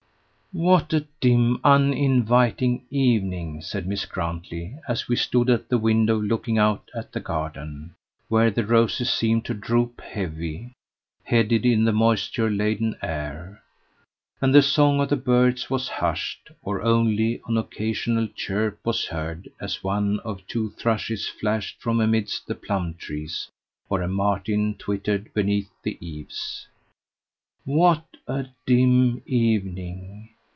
"What a dim, uninviting evening!" said Miss Grantley as we stood at the window looking out at the garden, where the roses seemed to droop heavy headed in the moisture laden air, and the song of the birds was hushed, or only an occasional chirp was heard as one or two thrushes flashed from amidst the plum trees, or a martin twittered beneath the eaves. "What a dim evening!